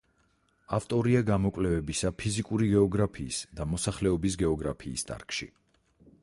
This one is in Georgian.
ავტორია გამოკვლევებისა ფიზიკური გეოგრაფიის და მოსახლეობის გეოგრაფიის დარგში.